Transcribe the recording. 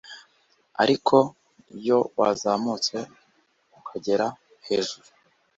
ariko iyo wazamutse ukagera hejuru